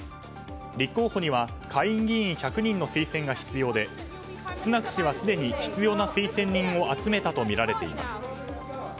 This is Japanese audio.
立候補には下院議員１００人の推薦が必要でスナク氏はすでに必要な推薦人を集めたとみられています。